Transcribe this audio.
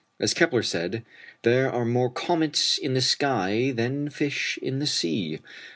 As Kepler said, there are more "comets" in the sky than fish in the sea.